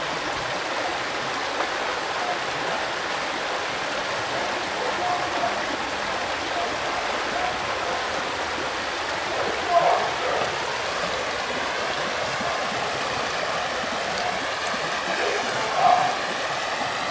He cast a swiftly furtive glance around him as he spoke, then, blowing out the lights, he caught me by the arm and dragged me away. "But the dog, sir," the policeman said, as the front door closed behind us with a bang; "it ain't come out!"